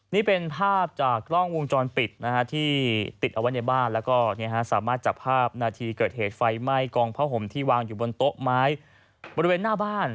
นี่เป็นภาพจากกล้องวงจรปิดที่ติดเอาไว้ในบ้านแล้วก็สามารถจับภาพนาทีเกิดเหตุไฟไหม้กองผ้าห่มที่วางอยู่บนโต๊ะไม้บริเวณหน้าบ้าน